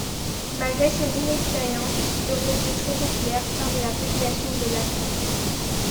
Malgré son inexpérience, il aurait été très populaire parmi la population de Lhassa.